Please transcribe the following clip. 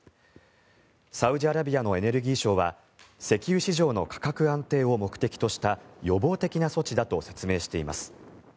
サウジアラビアのエネルギー省は石油市場の価格安定を目的とした予防的な措置だと説明しています。